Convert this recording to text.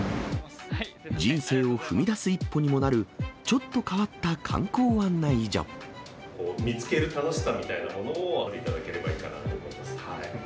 人生を踏み出す一歩にもなる、見つける楽しさみたいなものを味わっていただければいいかなと思ってます。